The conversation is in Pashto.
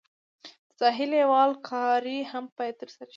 د ساحې لیول کاري هم باید ترسره شي